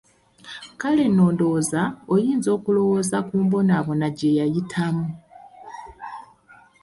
Kale nno ndowooza oyinza okulowooza ku mbonabona gye yayitamu.